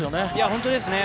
本当ですね。